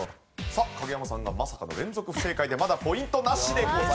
さあ影山さんがまさかの連続不正解でまだポイントなしでございます。